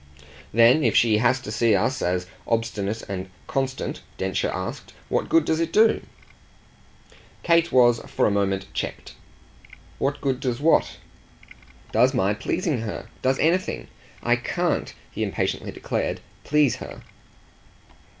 "Then if she has to see us as obstinate and constant," Densher asked, "what good does it do?" Kate was for a moment checked. "What good does what ?" "Does my pleasing her does anything. I CAN'T," he impatiently declared, "please her."